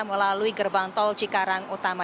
melalui gerbang tol cikarang utama